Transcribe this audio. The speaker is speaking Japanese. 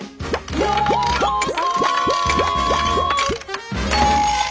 「ようこそ」